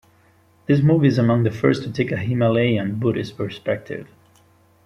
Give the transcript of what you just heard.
This movie is among the first to take a Himalayan Buddhist perspective.